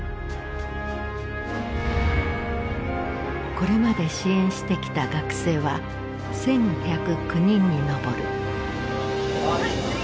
これまで支援してきた学生は１，１０９人に上る。